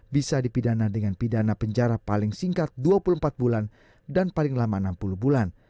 bisa dipidana dengan pidana penjara paling singkat dua puluh empat bulan dan paling lama enam puluh bulan